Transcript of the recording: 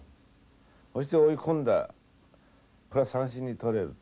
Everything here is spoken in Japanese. そして追い込んだこれは三振に取れると。